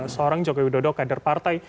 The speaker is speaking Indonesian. seorang jokowi dodo kader partai